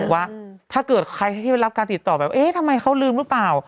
ว่าถ้าเกิดใครที่ไปรับการติดต่อแบบเอ๊ะทำไมเขาลืมหรือเปล่า